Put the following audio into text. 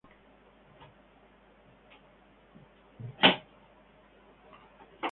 Wrestling y el desenmascarado como Tim Woods, en función del territorio.